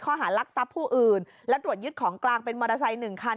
ข้อหารักษัพผู้อื่นและตรวจยึดของกลางเป็นมอเตอร์ไซค์๑คัน